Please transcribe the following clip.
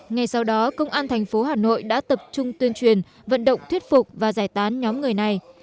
ngày sau đó công an tp hà nội đã tập trung tuyên truyền vận động thuyết phục và giải tán nhóm người này